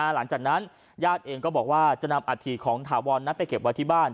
หลังจากนั้นญาติเองก็บอกว่าจะนำอาธิของถาวรนั้นไปเก็บไว้ที่บ้าน